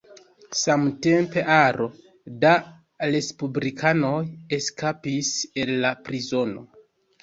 Samtempe aro da respublikanoj eskapis el la prizono.